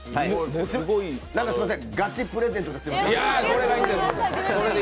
すみません、ガチプレゼントで。